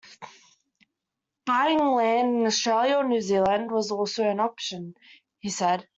Buying land in Australia or New Zealand was also an option, he said.